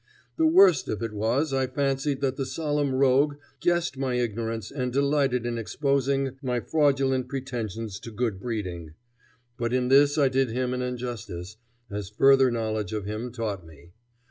The worst of it was I fancied that the solemn rogue guessed my ignorance and delighted in exposing my fraudulent pretensions to good breeding. But in this I did him an injustice, as future knowledge of him taught me.